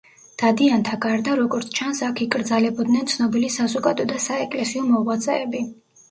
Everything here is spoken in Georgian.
დადიანთა გარდა, როგორც ჩანს, აქ იკრძალებოდნენ ცნობილი საზოგადო და საეკლესიო მოღვაწეები.